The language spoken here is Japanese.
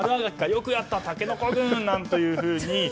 よくやったたけのこ軍なんていうふうに。